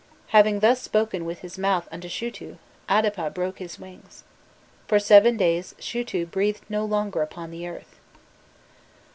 'Having thus spoken with his mouth unto Shutu, Adapa broke his wings. For seven days, Shutu breathed no longer upon the earth."